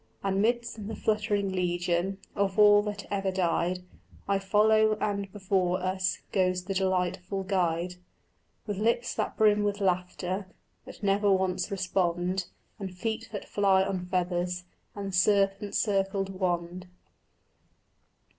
And midst the fluttering legion Of all that ever died I follow, and before us Goes the delightful guide, With lips that brim with laughter But never once respond, And feet that fly on feathers, And serpent circled wand.